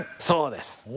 そうです！